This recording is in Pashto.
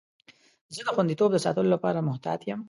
زه د خوندیتوب د ساتلو لپاره محتاط یم.